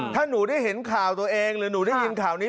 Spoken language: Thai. ถ้าหนูได้เห็นข่าวตัวเองหรือหนูได้ยินข่าวนี้